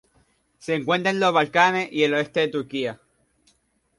Se encuentra en los Balcanes y el oeste de Turquía.